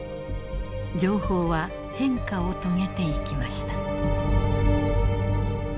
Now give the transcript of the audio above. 情報は変化を遂げていきました。